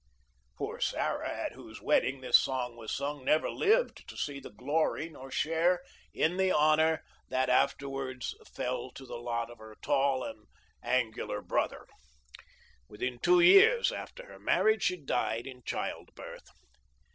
Poor Sarah, at whose wedding this song was sung, never lived to see the glory nor share in the honor 4 50 THE LIFE OF LINCOLN. that afterwards fell to the lot of her tall and angu lar brother. Within two years after her marriage she died in childbirth.